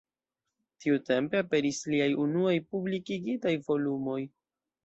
Tiutempe aperis liaj unuaj publikigitaj volumoj.